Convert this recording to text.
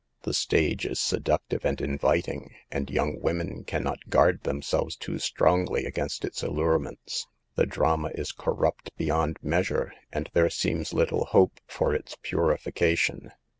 The stage is seductive and inviting, and young women can not guard themselves too strongly against its allurements. The drama is corrupt beyond measure, and there seems little hope for its purification.